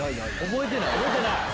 覚えてないよ。